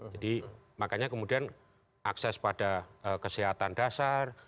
jadi makanya kemudian akses pada kesehatan dasar